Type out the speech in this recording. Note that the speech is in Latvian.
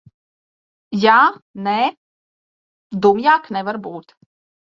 Jā, nē. Dumjāk nevar būt.